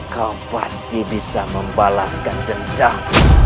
kau pasti bisa membalaskan dendam